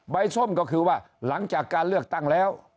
ส้มก็คือว่าหลังจากการเลือกตั้งแล้ว